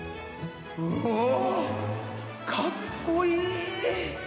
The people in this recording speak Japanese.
うおかっこいい。